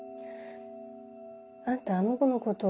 あんたあの子のこと。